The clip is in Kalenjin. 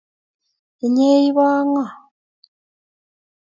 Inye ibo ngo?